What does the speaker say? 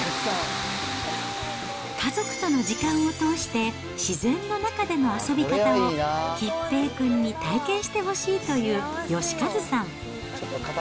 家族との時間を通して、自然の中での遊び方を、結平くんに体験してほしいという芳和さん。